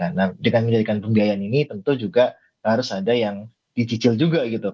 nah dengan menjadikan pembiayaan ini tentu juga harus ada yang dicicil juga gitu